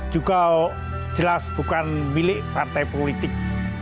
juga jelas bukan milik partai politik